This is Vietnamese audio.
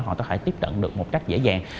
họ có thể tiếp cận được một cách dễ dàng